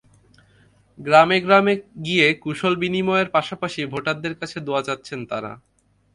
গ্রামে গ্রামে গিয়ে কুশল বিনিময়ের পাশাপাশি ভোটারদের কাছে দোয়া চাচ্ছেন তাঁরা।